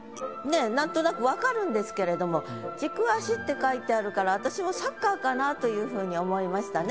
えなんとなく分かるんですけれども「軸足」って書いてあるから私もというふうに思いましたね。